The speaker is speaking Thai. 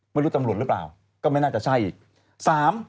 ไม่รู้ตำรวจหรือเปล่าก็ไม่น่าจะใช่อีก